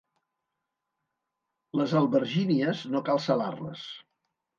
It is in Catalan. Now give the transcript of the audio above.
Les albergínies, no cal salar-les.